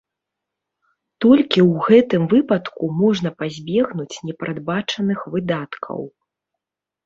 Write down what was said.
Толькі ў гэтым выпадку можна пазбегнуць непрадбачаных выдаткаў.